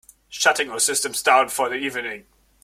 Shutting all systems down for the evening.